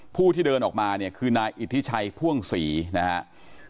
ผู้ที่เดินออกมาเนี่ยคือนายอิทธิชัยพ่วงศรีนะครับ